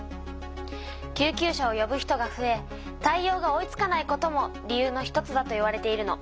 救急車をよぶ人がふえ対おうが追いつかないことも理由の一つだといわれているの。